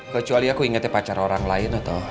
kecuali aku ingetnya pacar orang lain atau